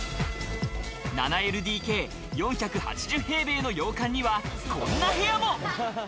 ７ＬＤＫ、４８０平米の洋館にはこんな部屋も。